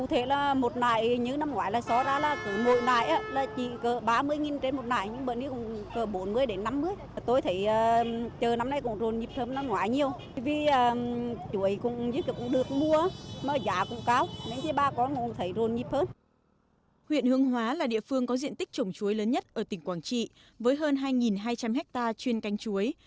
huyện hương hóa là địa phương có diện tích trồng chuối lớn nhất ở tỉnh quảng trị với hơn hai hai trăm linh ha chuyên canh chuối